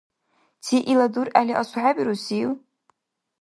Циила дургӀели асухӀебирусив?